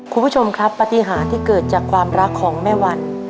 คุณผู้ชมครับปฏิหารที่เกิดจากความรักของแม่วัน